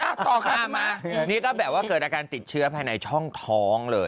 ต่อค่ะมานี่ก็แบบว่าเกิดอาการติดเชื้อภายในช่องท้องเลย